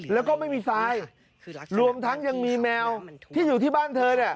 แล้วก็ไม่มีทรายรวมทั้งยังมีแมวที่อยู่ที่บ้านเธอเนี่ย